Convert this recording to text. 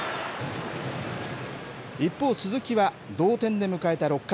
一方、鈴木は同点で迎えた６回。